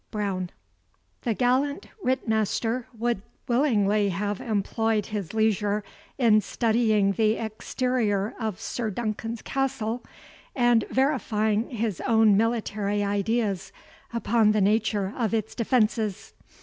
BROWN. The gallant Ritt master would willingly have employed his leisure in studying the exterior of Sir Duncan's castle, and verifying his own military ideas upon the nature of its defences.